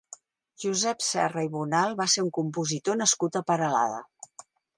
Josep Serra i Bonal va ser un compositor nascut a Peralada.